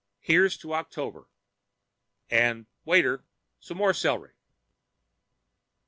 Here's to October and, waiter, some more celery.